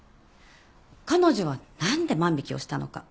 彼女は何で万引をしたのか？